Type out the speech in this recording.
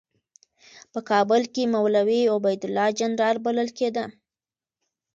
په کابل کې مولوي عبیدالله جنرال بلل کېده.